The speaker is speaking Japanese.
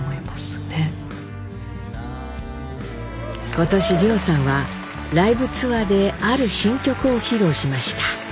今年凌さんはライブツアーである新曲を披露しました。